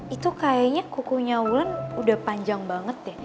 itu kayaknya kukunya ulan udah panjang banget deh